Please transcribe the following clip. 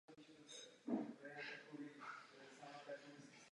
V té době stále studoval na New York University.